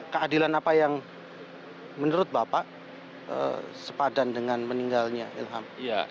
keadilan apa yang menurut bapak sepadan dengan meninggalnya ilham